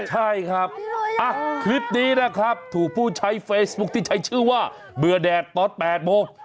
ใช่ครับคลิปนี้นะครับถูกผู้ใช้เฟซบุ๊คที่ใช้ชื่อว่าเบื่อแดดตอน๘โมง